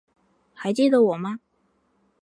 还记得我吗？